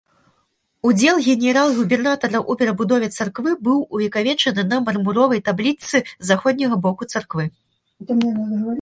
Удзел генерал-губернатара ў перабудове царквы быў увекавечаны на мармуровай таблічцы з заходняга боку царквы.